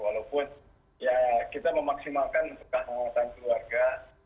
walaupun ya kita memaksimalkan untuk kehangatan keluarga